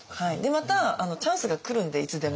またチャンスが来るんでいつでも。